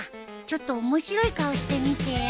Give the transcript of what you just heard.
ちょっと面白い顔してみてよ。